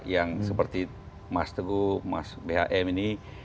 yang seperti mas teguh mas bhm ini